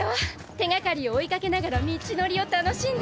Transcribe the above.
手がかりを追いかけながら道のりを楽しんだ。